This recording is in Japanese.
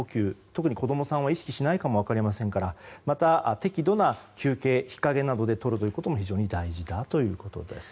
特に子供さんは意識しないかもしれませんから適度な休憩を日陰などでとることが非常に大事だということです。